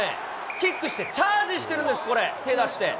キックしてチャージしてるんです、これ、手を出して。